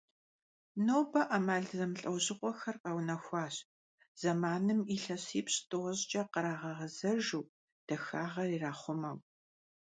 Нобэ Iэмал зэмылIэужьыгъуэхэр къэунэхуащ, зэманым илъэсипщI-тIощIкIэ кърагъэгъэзэжу, дахагъэр ирахъумэу.